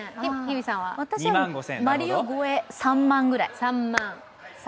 私はマリオ超え、３万ぐらい。